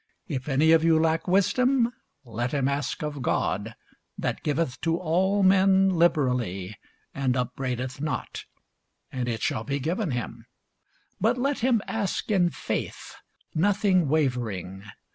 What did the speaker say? If any of you lack wisdom, let him ask of God, that giveth to all men liberally, and upbraideth not; and it shall be given him. But let him ask in faith, nothing wavering.